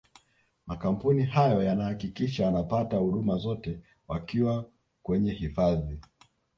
makampuni hayo yanahakikisha wanapata huduma zote wakiwa kwenye hifadhi